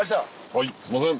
はいすいません。